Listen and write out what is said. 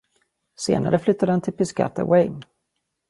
Senare flyttade han till Piscataway.